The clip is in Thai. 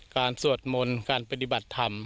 สวดมนต์การปฏิบัติธรรม